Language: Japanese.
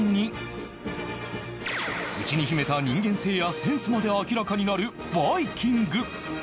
内に秘めた人間性やセンスまで明らかになるバイキング